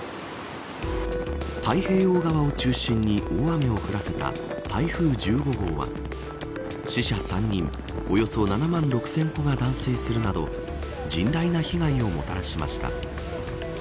太平洋側を中心に大雨を降らせた台風１５号は死者３人およそ７万６０００戸が断水するなど甚大な被害をもたらしました。